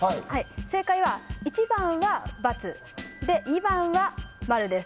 正解は１番は×２番は〇です。